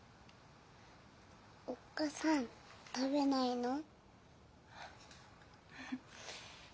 おっ母さん食べないの？